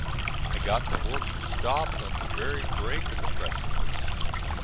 I got the horses stopped on the very brink of the precipice.